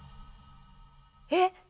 えっ？